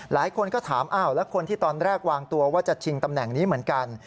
หลายคนก็ถามอ้าวแล้วคนที่ตอนแรกวางตัวว่าจะชิงตำแหน่งนี้เหมือนกัน